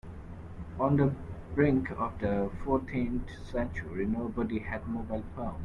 On the brink of the fourteenth century, nobody had mobile phones.